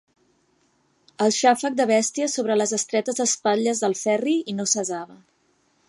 El xàfec de bèsties sobre les estretes espatlles del Ferri no cessava.